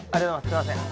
すいません。